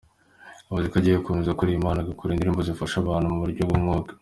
Yavuze ko agiye gukomeza gukorera Imana agakora indirimbo zifasha abantu mu buryo bw'umwuka.